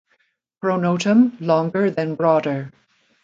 Pronotum longer than broader.